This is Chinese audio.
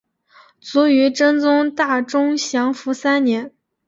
卒于真宗大中祥符三年。